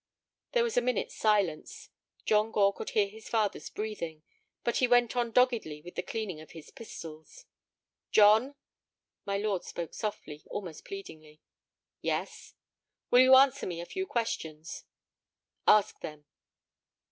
There was a minute's silence. John Gore could hear his father's breathing, but he went on doggedly with the cleaning of his pistols. "John." My lord spoke softly, almost pleadingly. "Yes." "Will you answer me a few questions?" "Ask them."